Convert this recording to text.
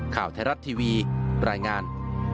ข่าวไทยรัฐทีวีรายงาน